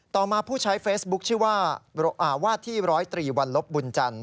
ต่อมาผู้ใช้เฟซบุ๊คชื่อว่าวาดที่ร้อยตรีวันลบบุญจันท